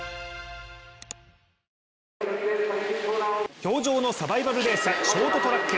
氷上のサバイバルレースショートトラック。